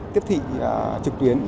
tiếp thị trực tuyến